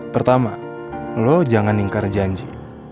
pertama lo jangan ningkar janji